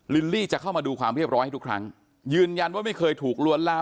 ลิลลี่จะเข้ามาดูความเรียบร้อยให้ทุกครั้งยืนยันว่าไม่เคยถูกล้วนลาม